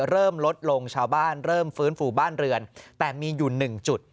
เริ่มลดลงชาวบ้านเริ่มฟื้นฟูบ้านเรือนแต่มีอยู่หนึ่งจุด